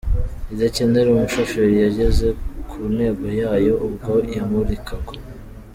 idakenera umushoferi yageze ku ntego yayo ubwo yamurikagwa.